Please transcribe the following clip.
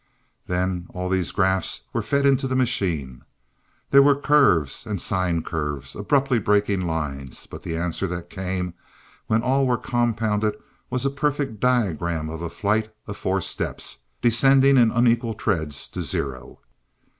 Then all these graphs were fed into the machine. There were curves, and sine curves, abrupt breaking lines but the answer that came when all were compounded was a perfect diagram of a flight of four steps, descending in unequal treads to zero.